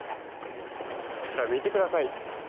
こちら、見てください。